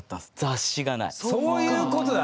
そういうことだ。